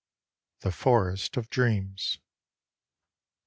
THE FOREST OF DREAMS.